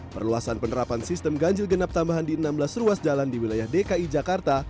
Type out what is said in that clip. perluasan penerapan sistem ganjil genap tambahan di enam belas ruas jalan di wilayah dki jakarta